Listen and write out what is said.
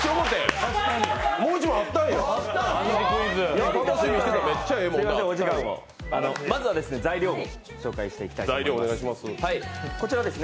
すいません、お時間を、まずは材料を紹介していきます。